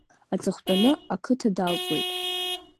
Аҵыхәтәаны ақыҭа далҵуеит.